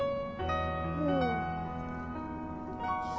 うん。